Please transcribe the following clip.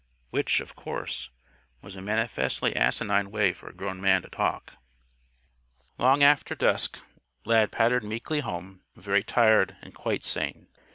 Which, of course, was a manifestly asinine way for a grown man to talk. Long after dusk, Lad pattered meekly home, very tired and quite sane.